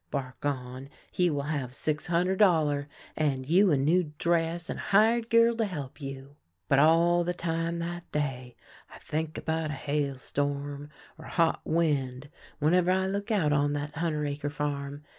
Bargon he will have six hun der' dollar, and you a new dress and a hired girl to help you.' " But all the time that day I think about a hailstorm or a hot wind whenever I look out on that hunder' acre farm.